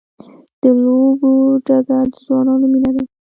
د لوبو ډګر د ځوانانو مینه ده.